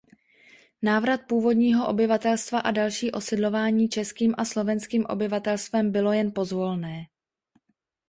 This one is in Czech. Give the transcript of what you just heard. Návrat původního obyvatelstva a další osidlování českým a slovenským obyvatelstvem bylo jen pozvolné.